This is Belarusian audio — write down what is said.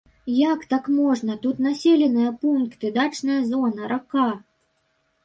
Як так можна, тут населеныя пункты, дачная зона, рака?